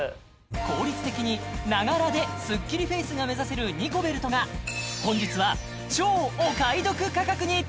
効率的に「ながら」でスッキリフェイスが目指せるニコベルトが本日は超お買い得価格に！